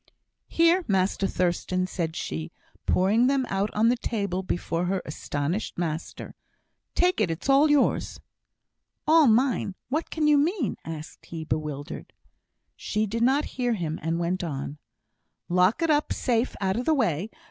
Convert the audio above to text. "Here, Master Thurstan," said she, pouring them out on the table before her astonished master. "Take it, it's all yours." "All mine! What can you mean?" asked he, bewildered. She did not hear him, and went on: "Lock it up safe, out o' the way.